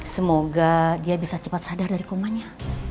semoga dia bisa cepat sadar dari komanya